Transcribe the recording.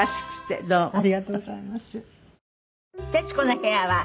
ありがとうございます。